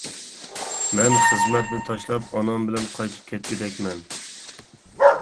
مەن خىزمەتنى تاشلاپ ئانام بىلەن قايتىپ كەتكۈدەكمەن.